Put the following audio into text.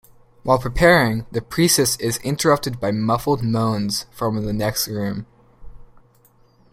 While preparing, the Priest is interrupted by muffled moans from the next room.